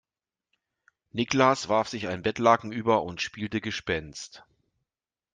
Niklas warf sich ein Bettlaken über und spielte Gespenst.